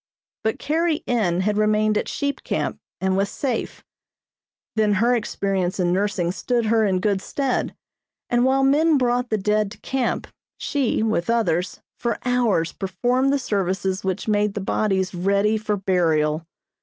But Carrie N. had remained at Sheep Camp and was safe. Then her experience in nursing stood her in good stead; and while men brought the dead to camp, she, with others, for hours performed the services which made the bodies ready for burial.